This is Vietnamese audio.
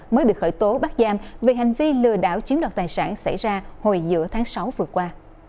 mới bị khởi tố bắt giam về hành vi lừa đảo chiếm đoạt tài sản xảy ra hồi giữa tháng sáu vừa qua